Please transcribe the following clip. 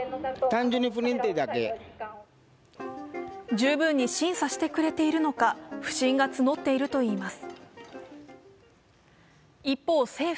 十分に審査してくれているのか不信が募っているといいます。